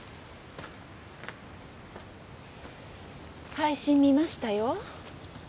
配信見ましたよ